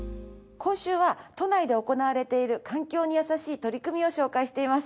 今週は都内で行われている環境にやさしい取り組みを紹介しています。